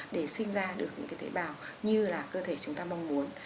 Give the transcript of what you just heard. để sinh ra được những cái tế bào như là cơ thể chúng ta mong muốn